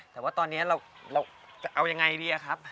แต่ว่าตอนนี้เราจะเอายังไงดีครับ